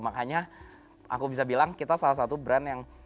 makanya aku bisa bilang kita salah satu brand yang